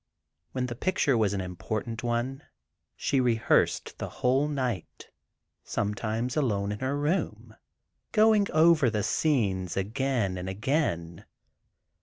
When the picture was an important one, she rehearsed the whole night, sometimes, alone in her room, going over the scenes again and again.